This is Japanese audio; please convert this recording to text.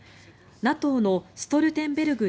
ＮＡＴＯのストルテンベルグ